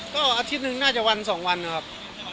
ก็อาทิตย์หนึ่งน่าจะวัน๒วันนะครับ